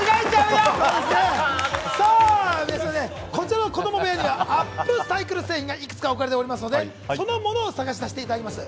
こちらの子供部屋にはアップサイクル製品がいくつか置かれていますので、そのものを探し出していただきます。